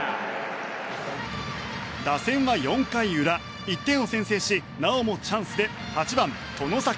打線は４回裏１点を先制しなおもチャンスで８番、外崎。